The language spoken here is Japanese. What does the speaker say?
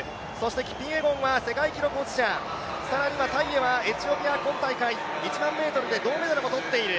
キピエゴンは世界記録保持者、更にはタイエはエチオピア、今大会１００００ｍで銅メダルを取っている。